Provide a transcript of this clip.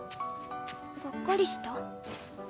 がっかりした？